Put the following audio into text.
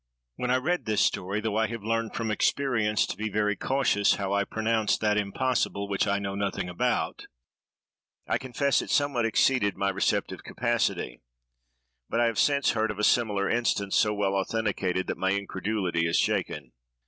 When I read this story, though I have learned from experience to be very cautious how I pronounce that impossible which I know nothing about, I confess it somewhat exceeded my receptive capacity, but I have since heard of a similar instance, so well authenticated, that my incredulity is shaken.